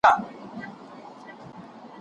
هغه وخت چې روغ خواړه دود شي، بدن پیاوړی پاتې کېږي.